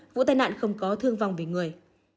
vụ tai nạn không có thương vong về người